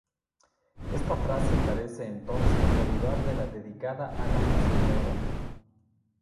Esta frase parece entonces derivar de la dedicada a la mazamorra.